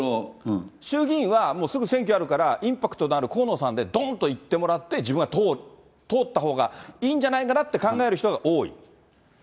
衆議院はもうすぐ選挙あるから、インパクトのある河野さんでどんといってもらって、自分が通ったほうがいいんじゃないかなって考える人が多い？